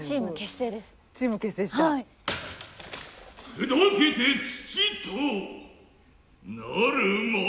砕けて土となるまでも。